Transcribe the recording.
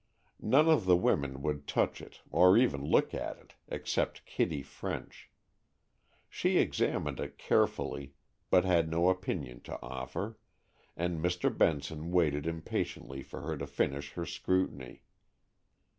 None of the women would touch it or even look at it, except Kitty French. She examined it carefully, but had no opinion to offer, and Mr. Benson waited impatiently for her to finish her scrutiny.